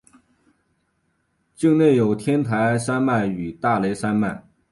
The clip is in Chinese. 境内有天台山脉与大雷山脉。